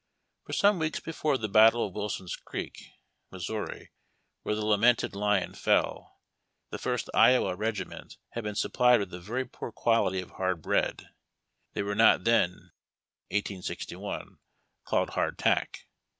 For some weeks before the battle of Wilson's Creek, Mo., where the lamented Lyon fell, the First Iowa Regiment had been supplied with a very poor quality of hard bread (they were not then (1861) called hardfac^).